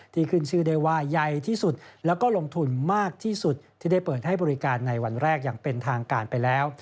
ที่ขึ้นชื่อได้ว่าใหญ่ที่สุดแล้วก็ลงทุนมากที่สุดที่ได้เปิดให้บริการในวันแรกอย่างเป็นทางการไปแล้ว